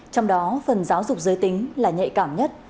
trong đó phần giáo dục giới tính là nhạy cảm nhất